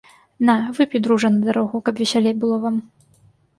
На, выпі, дружа, на дарогу, каб весялей было вам.